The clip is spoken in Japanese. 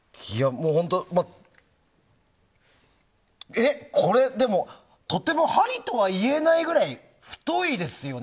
えっ、これでもとても針とは言えないくらい太いですよね。